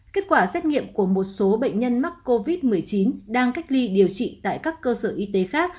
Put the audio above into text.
kết quả xét nghiệm của một số bệnh nhân mắc covid một mươi chín đang cách ly điều trị tại các cơ sở y tế khác